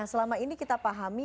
selama ini kita pahami